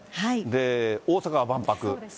で、大阪万博。